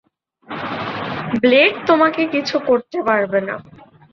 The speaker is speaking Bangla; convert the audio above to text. ব্লেড তোমাকে কিছু করতে পারবে না।